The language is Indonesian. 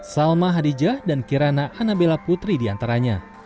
salma hadijah dan kirana anabela putri di antaranya